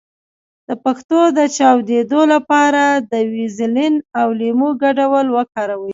د پښو د چاودیدو لپاره د ویزلین او لیمو ګډول وکاروئ